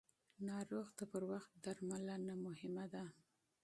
ناروغ ته پر وخت درملنه مهمه ده.